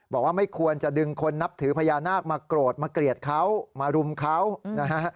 บอกว่าไม่ควรจะดึงคนนับถือพญานาคมาโกรธมาเกลียดเขามารุมเขานะฮะ